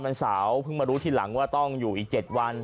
วันเสาร์เพิ่งมารู้ทีหลังว่าต้องอยู่อีก๗วัน